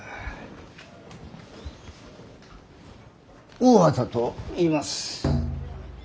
大畑といいます。